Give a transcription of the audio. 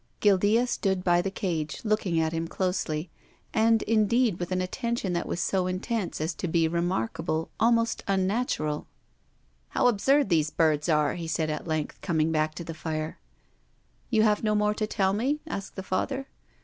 Guildea stood by the cage, looking at him closely, and indeed with an atten tion that was so intense as to be remarkable, almost unnatural. " How absurd these birds are !" he said at length, coming back to the fire. "You have no more to tell me?" asked the Father.